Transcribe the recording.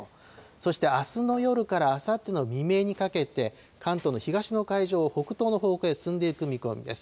そしてあすの夜からあさっての未明にかけて、関東の東の海上を北東の方向へ進んでいく見込みです。